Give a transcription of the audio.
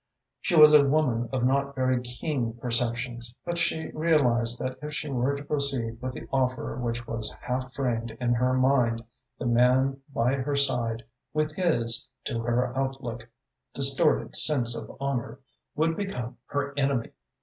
She was a woman of not very keen perceptions, but she realised that if she were to proceed with the offer which was half framed in her mind, the man by her side, with his, to her outlook, distorted sense of honour, would become her enemy.